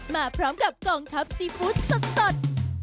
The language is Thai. มาพร้อมกับกองทัพซีฟู้ดสด